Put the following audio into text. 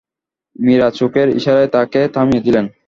মীরা চোখের ইশারায় তাকে থামিয়ে দিলেন।